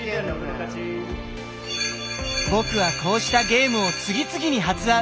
僕はこうしたゲームを次々に発案。